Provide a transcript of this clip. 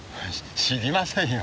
知りませんよ。